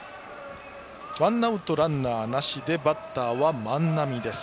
ワンアウトランナーなしでバッターは万波。